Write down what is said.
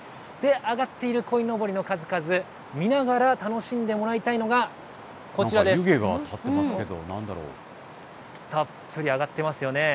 揚がっているこいのぼりの数々、見ながら楽しんでもらいたいのが、湯気が立ってますけど、なんたっぷりあがっていますよね。